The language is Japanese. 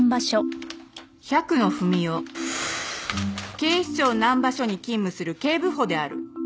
警視庁南葉署に勤務する警部補である